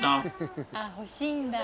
あっ欲しいんだ。